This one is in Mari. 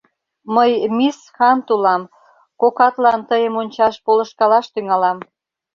Мый мисс Хант улам, кокатлан тыйым ончаш полышкалаш тӱҥалам.